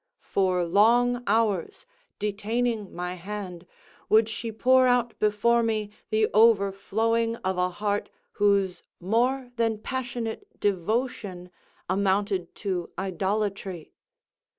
For long hours, detaining my hand, would she pour out before me the overflowing of a heart whose more than passionate devotion amounted to idolatry.